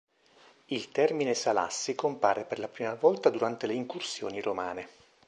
Il termine Salassi compare per la prima volta durante le incursioni romane.